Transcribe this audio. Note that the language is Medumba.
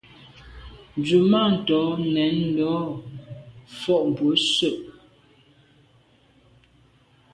Nzwimàntô nèn ndo’ fotmbwe se.